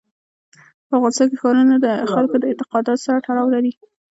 په افغانستان کې ښارونه د خلکو د اعتقاداتو سره تړاو لري.